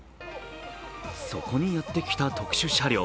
そこにやってきた特殊車両。